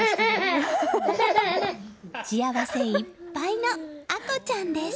幸せいっぱいの愛心ちゃんです。